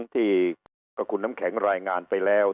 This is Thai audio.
ที่คุณน้ำแข็งครับรายงานไปแล้ว